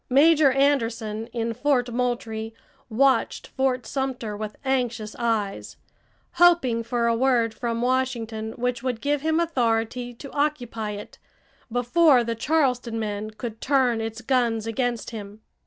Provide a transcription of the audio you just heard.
Major Anderson in Fort Moultrie watched Fort Sumter with anxious eyes, hoping for a word from Washington which would give him authority to occupy it before the Charleston men could turn its guns against him.